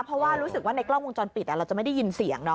เพราะว่ารู้สึกว่าในกล้องวงจรปิดเราจะไม่ได้ยินเสียง